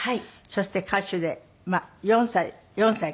そして歌手で４歳からね